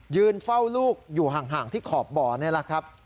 เฝ้าลูกอยู่ห่างที่ขอบบ่อนี่แหละครับ